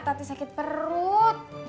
tati sakit perut